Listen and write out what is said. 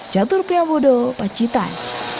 jatuh rupiah bodoh pacitan